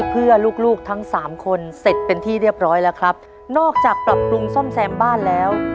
เพื่อลูกลูกทั้งสามคนเสร็จเป็นที่เรียบร้อยแล้วครับนอกจากปรับปรุงซ่อมแซมบ้านแล้ว